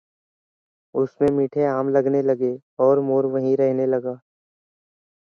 In the beginning, the fraternity was exclusive to women majoring in music and speech.